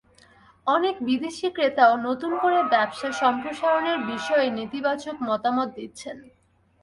অনেক বিদেশি ক্রেতাও নতুন করে ব্যবসা সম্প্রসারণের বিষয়ে নেতিবাচক মতামত দিচ্ছেন।